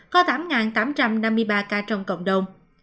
có tám tám trăm năm mươi ba ca trong cộng đồng